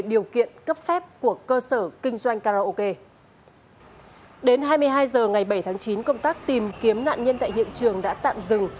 đến hai mươi hai h ngày bảy tháng chín công tác tìm kiếm nạn nhân tại hiện trường đã tạm dừng